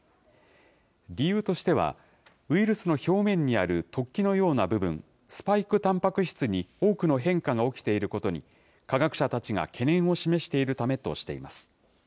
理由としては、ウイルスの表面にある突起のような部分、スパイクたんぱく質に多くの変化が起きていることに、科学者たちが懸念を示しているためとしています。